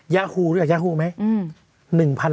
ยาฮูรู้จักยาฮูไหม